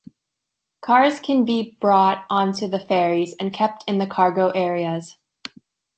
Cars can be brought onto the ferries and kept in the cargo areas.